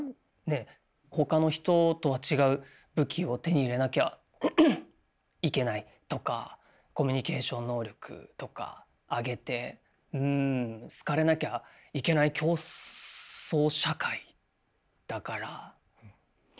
ほかの人とは違う武器を手に入れなきゃいけないとかコミュニケーション能力とか上げて好かれなきゃいけない競争社会だから。